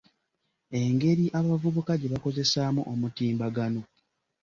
Engeri abavubuka gye bakozesaamu omutimbagano